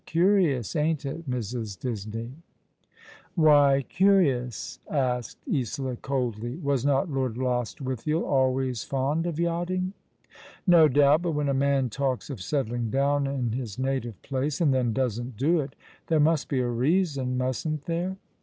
Curious, ain't it, Mrs. Disney ?"" Why curious ?" asked Isola, coldly. " Was not Lord Lostwithiel always fond of yachting ?"" No doubt ; but v. hen a man talks of settling down in his native place— and then doesn't do it — there must be a reason, mustn't there?"